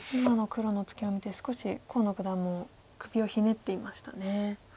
今の黒のツケを見て少し河野九段も首をひねっていましたね。